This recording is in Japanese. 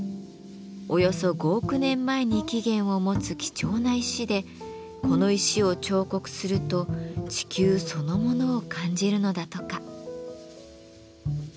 およそ５億年前に起源を持つ貴重な石でこの石を彫刻すると地球そのものを感じるのだとか。